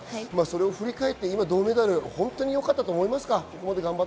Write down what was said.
振り返って今、銅メダル、本当によかったと思いますか？